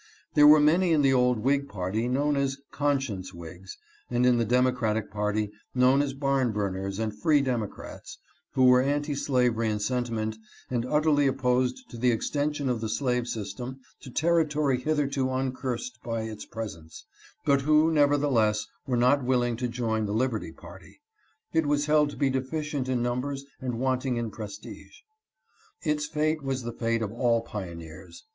\Xhere were many in the old Whig party known as Conscience Whigs, and in the Dem ocratic party known as Barn burners and Free Democrats, who were anti slavery in sentiment and utterly opposed to the extension of the slave system to territory hitherto uncursed by its presence, but who, nevertheless, were not willing to join the Liberty party. It was held to be deficient in numbers and wanting in prestige. Its fate 344 FREE SOIL PARTY. was the fate of all pioneers.